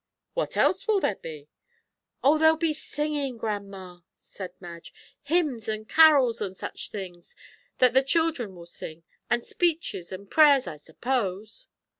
"What else will there be?" "O, there'll be singing, grandma," said Madge; "hymns and carols and such things, that the children will sing; and speeches and prayers, I suppose."